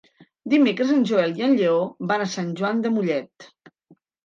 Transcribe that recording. Dimecres en Joel i en Lleó van a Sant Joan de Mollet.